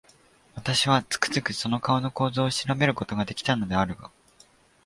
私は、つくづくその顔の構造を調べる事が出来たのであるが、